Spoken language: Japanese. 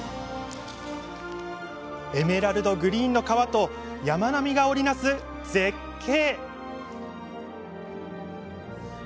エメラルドグリーンの川と山並みが織り成す絶景。